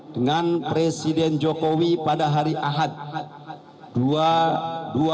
dengan presiden jokowi pada hari ahad